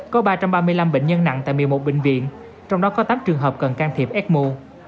có ba trăm ba mươi năm bệnh nhân nặng tại một mươi một bệnh viện trong đó có tám trường hợp cần can thiệp ecmo